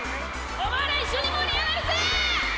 お前ら一緒に盛り上がるぜ！